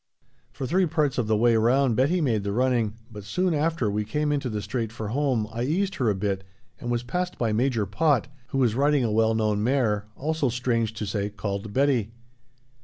For three parts of the way round Betty made the running, but soon after we came into the straight for home I eased her a bit and was passed by Major Pott, who was riding a well known mare, also, strange to say, called Betty.